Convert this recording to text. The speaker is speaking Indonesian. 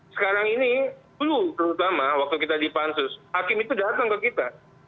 sekarang ini dulu terutama waktu kita di pansus hakim itu datang ke kita